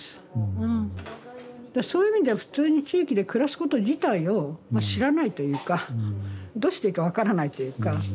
だからそういう意味では普通に地域で暮らすこと自体をまあ知らないというかどうしていいか分からないっていうか。